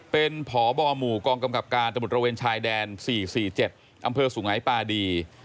เป็นพบหมู่กองกำกับการตำรวจระเวนชายแดน๔๔๗อำเภอสุงัยปาดี